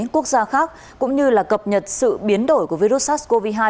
chín quốc gia khác cũng như là cập nhật sự biến đổi của virus sars cov hai